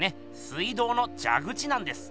水道のじゃ口なんです。